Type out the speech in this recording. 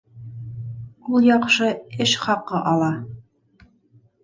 Ул яҡшы эш хаҡы ала